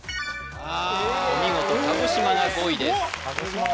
・ああお見事鹿児島が５位ですすごっ！